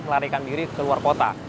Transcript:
melarikan diri ke luar kota